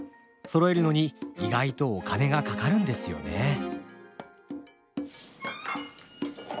そろえるのに意外とお金がかかるんですよねえ。